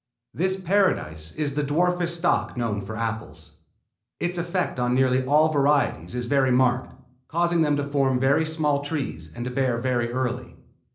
This Paradise is the dwarfest stock known for apples. Its effect on nearly all varieties is very marked, causing them to form very small trees and to bear very early.